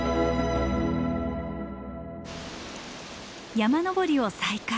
山登りを再開。